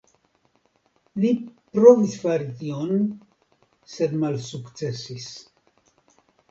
Li provis fari tion sed malsukcesis.